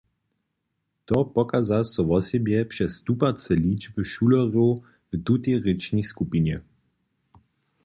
To pokaza so wosebje přez stupace ličby šulerjow w tutej rěčnej skupinje.